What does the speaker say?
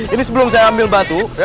ini sebelum saya ambil batu